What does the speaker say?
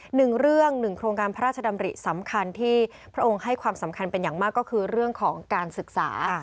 หนึ่งเรื่องหนึ่งโครงการพระราชดำริสำคัญที่พระองค์ให้ความสำคัญเป็นอย่างมากก็คือเรื่องของการศึกษา